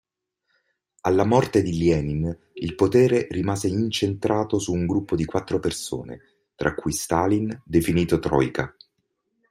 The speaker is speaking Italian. Alla morte di Lenin il potere rimase incentrato su un gruppo di quattro persone, tra cui Stalin, definito troika.